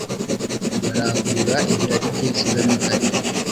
barangurura ibirari by’insigamigani,